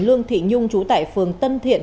lương thị nhung trú tại phường tân thiện